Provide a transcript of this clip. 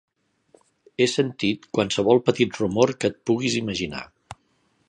He sentit, qualsevol petit rumor que et puguis imaginar.